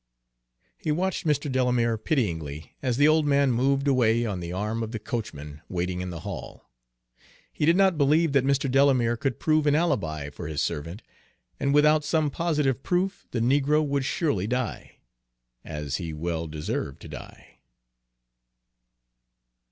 He watched Mr. Delamere pityingly as the old man moved away on the arm of the coachman waiting in the hall. He did not believe that Mr. Delamere could prove an alibi for his servant, and without some positive proof the negro would surely die, as he well deserved to die.